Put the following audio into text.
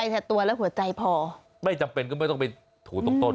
แต่ตัวและหัวใจพอไม่จำเป็นก็ไม่ต้องไปถูตรงต้น